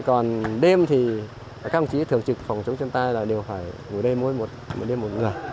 còn đêm thì các đồng chí thường trực phòng chống thiên tai là đều phải ngủ đêm mỗi đêm một người